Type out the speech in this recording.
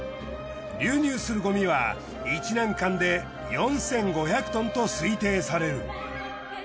流入するごみは１年間で４，５００ｔと推定される。